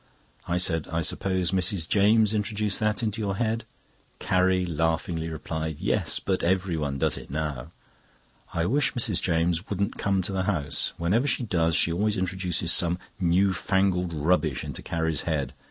I said: "I suppose Mrs. James introduced that into your head." Carrie laughingly replied: "Yes; but everyone does it now." I wish Mrs. James wouldn't come to the house. Whenever she does she always introduces some new fandangled rubbish into Carrie's head.